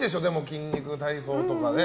「筋肉体操」とかで。